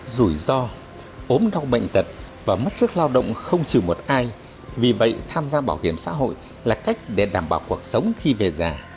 rủi ro ốm đau bệnh tật và mất sức lao động không trừ một ai vì vậy tham gia bảo hiểm xã hội là cách để đảm bảo cuộc sống khi về già